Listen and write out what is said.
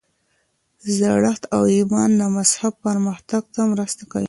زړښت او ایمان د مذهب پرمختګ ته مرسته کوي.